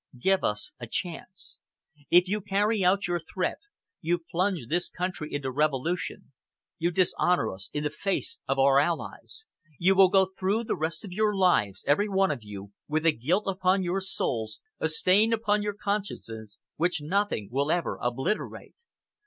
Give us a chance. If you carry out your threat, you plunge this country into revolution, you dishonour us in the face of our Allies; you will go through the rest of your lives, every one of you, with a guilt upon your souls, a stain upon your consciences, which nothing will ever obliterate.